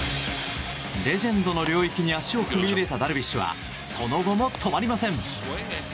レジェンドの領域に足を踏み入れたダルビッシュはその後も止まりません。